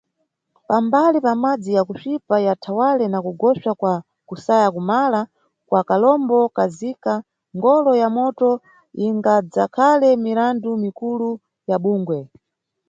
Pambali pamadzi ya kuswipa ya thawale na kugoswa kwa kusaya kumala kwa kalombo kaZika, ngolo ya moto ingadzakhale mirandu mikulu ya bungwe.